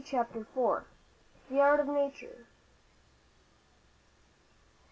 CHAPTER IV. THE ART OF NATURE.